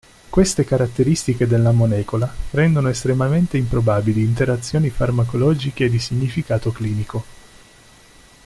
Queste caratteristiche della molecola rendono estremamente improbabili interazioni farmacologiche di significato clinico.